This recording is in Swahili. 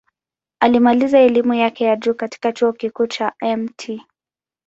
Alimaliza elimu yake ya juu katika Chuo Kikuu cha Mt.